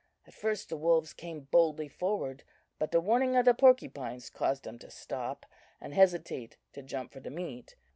At first the wolves came boldly forward, but the warning of the porcupines caused them to stop, and hesitate to jump for the meat.